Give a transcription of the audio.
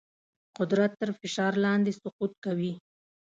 قدرت تر فشار لاندې سقوط کوي.